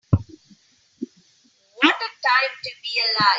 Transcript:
What a time to be alive.